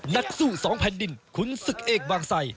นักสู้สองแผ่นดินขุนศึกเอกบางไซ